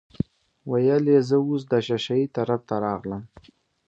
ویل یې زه اوس د شاه شهید طرف ته راغلم.